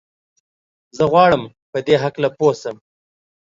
زه غواړم په دي هکله پوه سم.